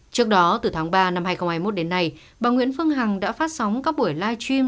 trước đó từ tháng ba năm hai nghìn hai mươi một đến nay bà nguyễn phương hằng đã phát sóng các buổi live stream